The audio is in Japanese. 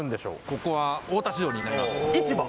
ここは大田市場になります市場？